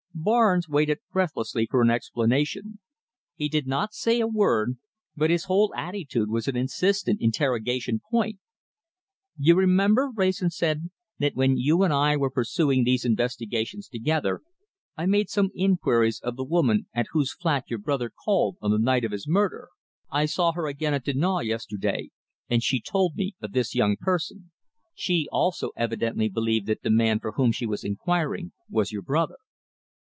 Barnes waited breathlessly for an explanation. He did not say a word, but his whole attitude was an insistent interrogation point. "You remember," Wrayson said, "that when you and I were pursuing these investigations together, I made some inquiries of the woman at whose flat your brother called on the night of his murder. I saw her again at Dinant yesterday, and she told me of this young person. She also evidently believed that the man for whom she was inquiring was your brother."